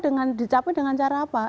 dengan dicapai dengan cara apa